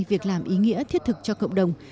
việc làm ý nghĩa thiết thực cho cộng đồng